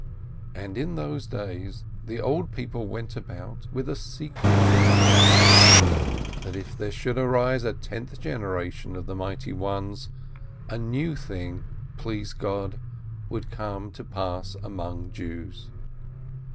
And in those days the old people went about with a secret whispering, that if there should arise a tenth generation of the mighty ones, a new thing, please God, would come to pass among Jews.